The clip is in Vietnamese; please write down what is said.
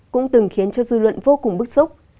cũng từng khiến cho dư luận vô cùng bức xúc